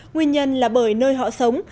nguyên nhân là bởi nơi họ sống